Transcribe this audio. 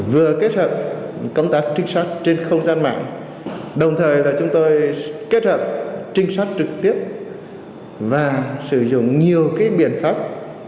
vừa kết hợp công tác trinh sát trên không gian mạng đồng thời là chúng tôi kết hợp trinh sát trực tiếp và sử dụng nhiều biện pháp